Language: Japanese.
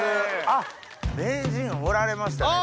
あっ名人おられましたね。